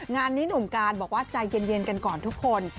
งานนี้หนุ่มการบอกว่าใจเย็นกันก่อนทุกคน